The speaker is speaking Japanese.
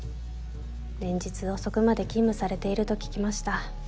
連日遅くまで勤務されていると聞きました。